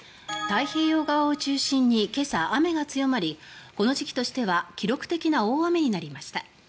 太平洋側を中心に今朝、雨が強まりこの時期としては記録的な大雨となりました。